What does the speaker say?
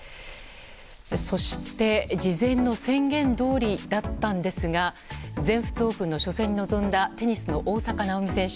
そして、事前の宣言どおりだったんですが全仏オープンの初戦に臨んだテニスの大坂なおみ選手。